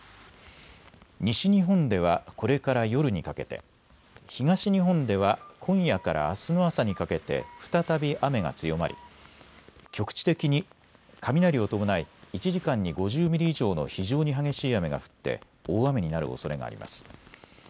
西日本ではこれから夜にかけて東日本では今夜からあすの朝にかけて再び雨が強まり局地的に雷を伴い１時間に５０ミリ以上の非常に激しい雨が降って大雨になるおそれがあります。